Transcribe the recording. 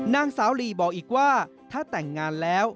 นางสาวลีบอกอีกว่าถ้าแต่งงานแล้ว